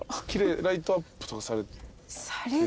ライトアップとかされてるんすか？